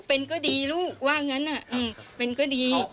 เป็นก็ดีลูกว่างั้นเป็นก็ดี